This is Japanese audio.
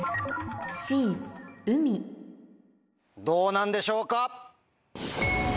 どうなんでしょうか？